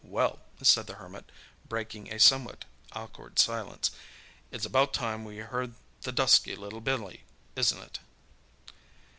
"Well," said the Hermit, breaking a somewhat awkward silence, "it's about time we heard the dusky Billy, isn't it?"